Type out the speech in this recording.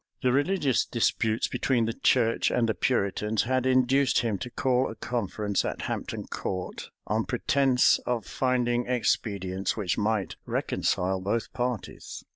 The religious disputes between the church and the Puritans had induced him to call a conference at Hampton Court, on pretence of finding expedients which might reconcile both parties.